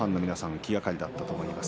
気がかりだったと思います。